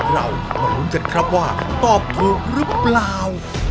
เรามาลุ้นกันครับว่าตอบถูกหรือเปล่า